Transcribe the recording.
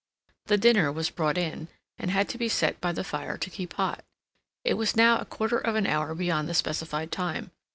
The dinner was brought in, and had to be set by the fire to keep hot. It was now a quarter of an hour beyond the specified time.